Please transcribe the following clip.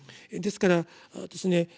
ですからですね